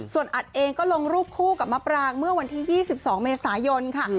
ส่วนอัดเองก็ลงรูปคู่กับมะปรางเมื่อวันที่๒๒เมษายนค่ะ